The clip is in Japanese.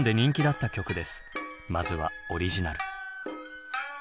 まずはオリジナル。